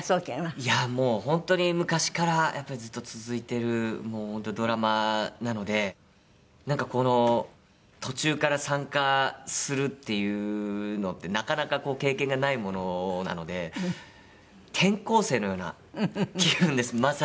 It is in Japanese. いやもう本当に昔からやっぱりずっと続いてるドラマなのでなんか途中から参加するっていうのってなかなか経験がないものなので転校生のような気分ですまさに。